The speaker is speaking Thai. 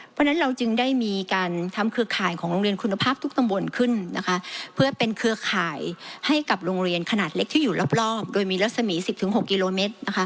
เพราะฉะนั้นเราจึงได้มีการทำเครือข่ายของโรงเรียนคุณภาพทุกตำบลขึ้นนะคะเพื่อเป็นเครือข่ายให้กับโรงเรียนขนาดเล็กที่อยู่รอบโดยมีรัศมี๑๐๖กิโลเมตร